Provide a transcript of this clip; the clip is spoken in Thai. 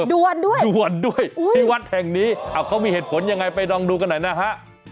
ด่วนด้วยด่วนด้วยที่วัดแห่งนี้เขามีเหตุผลยังไงไปลองดูกันหน่อยนะฮะ